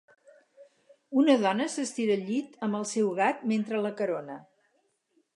Una dona s'estira al llit amb el seu gat mentre l'acarona